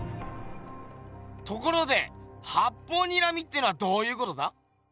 ところで八方睨みってのはどういうことだ？